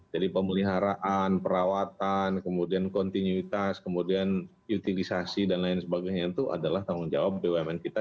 jadi pemeliharaan perawatan kemudian kontinuitas kemudian utilisasi dan lain sebagainya itu adalah tanggung jawab bumn kita